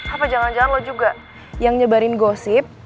apa jangan jangan lo juga yang nyebarin gosip